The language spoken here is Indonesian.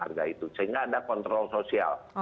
harga itu sehingga ada kontrol sosial